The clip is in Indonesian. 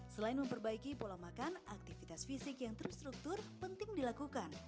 selain memperbaiki pola makan aktivitas fisik yang terstruktur penting dilakukan